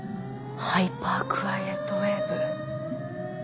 ハイパークワイエットウェーブ。